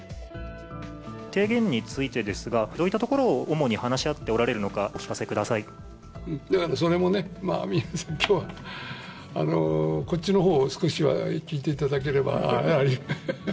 提言についてですが、どういったところを主に話し合っておられるのか、お聞かせくださそれもね、まあ、皆さんきょうは、こっちのほうを少しは聞いていただければ。